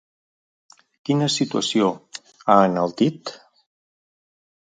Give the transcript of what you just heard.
Quina situació ha enaltit?